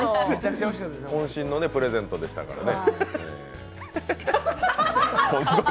こん身のプレゼントでしたからね。